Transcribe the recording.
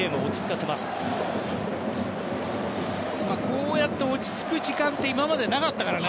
こうやって落ち着く時間って今までなかったからね。